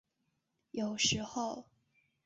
有时候。